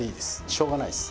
しょうがないです。